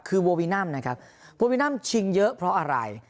คือโววินัมนะครับโววินัมชิงเยอะเพราะอะไร